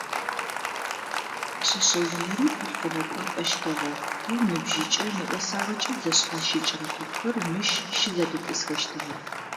Пшъэшъэ унэри хъулъфыгъэ кӏуапӏэщтыгъэ, ау ныбжьыкӏэ, нэӏосагъэкӏэ зэшъхьащыкӏрэ купхэр мыщ щызэдэтӏысхэщтыгъэп.